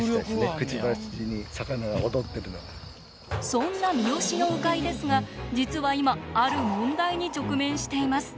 そんな三次の鵜飼ですが実は今ある問題に直面しています。